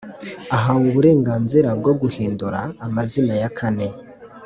ahawe uburenganzira bwo guhidura amazina ya kane